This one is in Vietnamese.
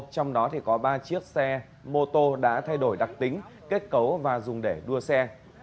trong đó có ba chiếc xe mô tô đã thay đổi đặc tính kết cấu và dùng để đua xe